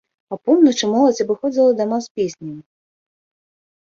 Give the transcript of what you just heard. Апоўначы моладзь абыходзіла дома з песнямі.